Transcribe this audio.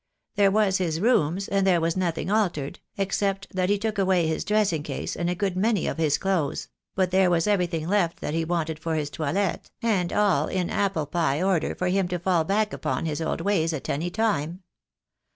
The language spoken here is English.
There was his rooms, and there was nothing altered, except that he took away his dressing case and a good many of his clothes; but there was everything left that he wanted for his toilet, and all in apple pie order for him to fall back upon his old ways at any time.